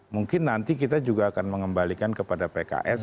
mungkin nanti kita juga akan mengembalikan kepada pks